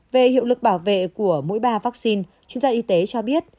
về hiệu lực bảo vệ của mỗi ba vaccine chuyên gia y tế cho biết